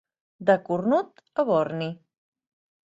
De cornut a borni.